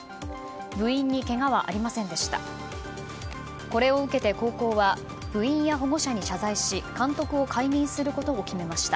部員にけがはありませんでした。